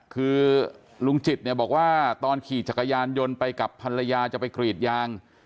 คือลุงจิตเนี่ยบอกว่าตอนขี่จักรยานยนต์ไปกับภรรยาจะไปกรีดยาง